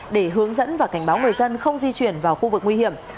để hướng dẫn và cảnh báo người dân không di chuyển vào khu vực nguy hiểm